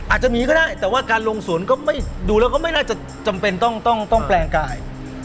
อาจจะมีก็ได้แต่ว่าการลงศูนย์ก็ไม่ดูแล้วก็ไม่น่าจะจำเป็นต้องแปลงกาย